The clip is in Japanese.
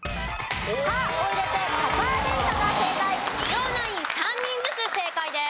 両ナイン３人ずつ正解です。